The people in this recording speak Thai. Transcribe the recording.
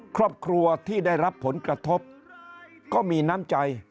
ครอบครัวที่ได้รับผลกระทบก็มีน้ำใจ